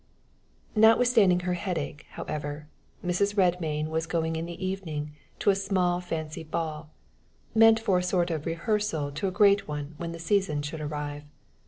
Notwithstanding her headache, however, Mrs. Redmain was going in the evening to a small fancy ball, meant for a sort of rehearsal to a great one when the season should arrive.